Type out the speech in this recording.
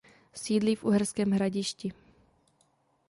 Sídlí v Uherském Hradišti.